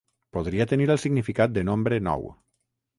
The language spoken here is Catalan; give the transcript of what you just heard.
Podria tenir el significat de nombre nou.